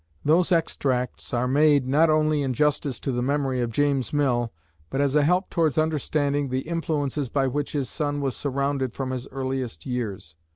Those extracts are made, not only in justice to the memory of James Mill, but as a help towards understanding the influences by which his son was surrounded from his earliest years.